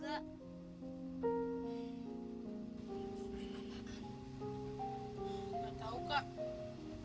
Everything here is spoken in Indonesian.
gak tahu kak